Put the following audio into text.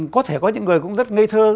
có thể có những người cũng rất ngây thơ